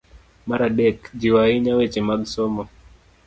Mar adek, jiwo ahinya weche mag somo